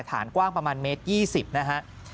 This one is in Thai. ฐานกว้างประมาณเมตร๒๐นะฮะ